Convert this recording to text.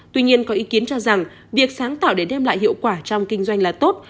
tuy nhiên có ý kiến cho rằng việc sáng tạo để đem lại hiệu quả trong kinh doanh là tốt